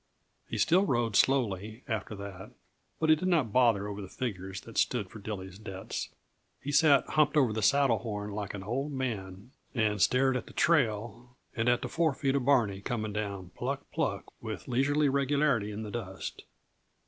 He still rode slowly, after that, but he did not bother over the figures that stood for Dilly's debts. He sat humped over the saddle horn like an old man and stared at the trail and at the forefeet of Barney coming down pluck, pluck with leisurely regularity in the dust.